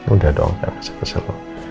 udah dong kan kesel kesel